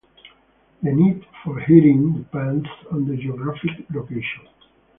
The need for heating depends on the geographic location.